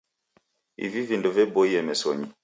Ivi vindo vaboie mesonyi.